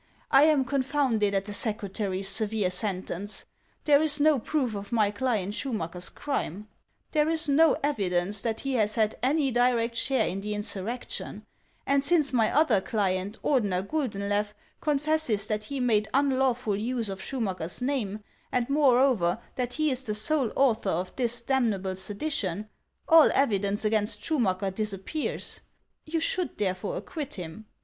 I am con founded at the secretary's severe sentence. There is no proof of my client Schumacker's crime. There is no evi dence that he has had any direct share in the insurrec tion ; and since my other client, Ordener Guldenlew, confesses that he made unlawful use of Schumacker's name, and moreover that he is the sole author of tins damnable sedition, all evidence against Schumacker dis appears ; you should therefore acquit him.